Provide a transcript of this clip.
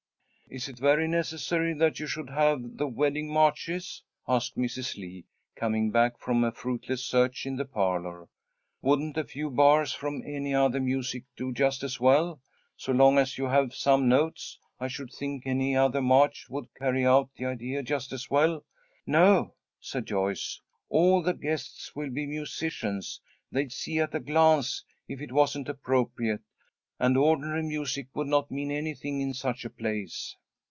"Is it very necessary that you should have the wedding marches?" asked Mrs. Lee, coming back from a fruitless search in the parlour. "Wouldn't a few bars from any other music do just as well? So long as you have some notes, I should think any other march would carry out the idea just as well." "No," said Joyce. "All the guests will be musicians. They'd see at a glance if it wasn't appropriate, and ordinary music would not mean anything in such a place."